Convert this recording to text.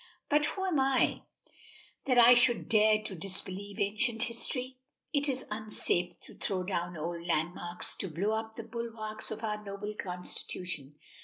But who am I that I should dare to disbelieve ancient history? It is unsafe to throw down old landmarks, to blow up the bulwarks of our noble constitution.